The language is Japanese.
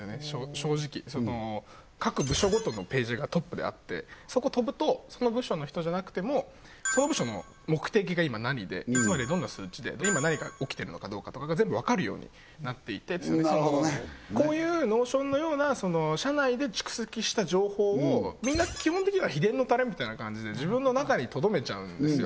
正直各部署ごとのページがトップであってそこ飛ぶとその部署の人じゃなくてもその部署の目的が今何でつまりはどんな数値で今何が起きてるのかどうかとかが全部分かるようになっていてなるほどねこういうノーションのような社内で蓄積した情報をみんな基本的には秘伝のたれみたいな感じで自分の中にとどめちゃうんですよ